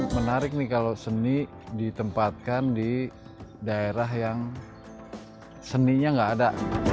menarik nih kalau seni ditempatkan di daerah yang seninya nggak ada